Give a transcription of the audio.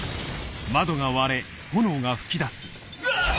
うわっ！